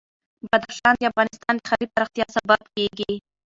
بدخشان د افغانستان د ښاري پراختیا سبب کېږي.